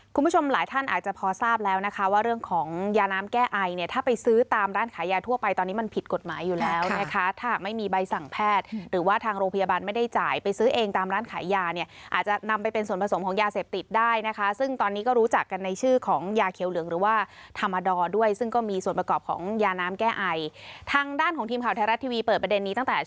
คุณผู้ชมหลายท่านอาจจะพอทราบแล้วนะคะว่าเรื่องของยาน้ำแก้ไอเนี่ยถ้าไปซื้อตามร้านขายยาทั่วไปตอนนี้มันผิดกฎหมายอยู่แล้วนะคะถ้าไม่มีใบสั่งแพทย์หรือว่าทางโรพยาบาลไม่ได้จ่ายไปซื้อเองตามร้านขายยาเนี่ยอาจจะนำไปเป็นส่วนผสมของยาเสพติดได้นะคะซึ่งตอนนี้ก็รู้จักกันในชื่อของยาเขียวเหลืองหรือว่า